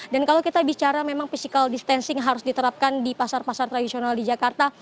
dan kalau kita bicara memang physical distancing harus diterapkan di pasar pasar tradisional di jakarta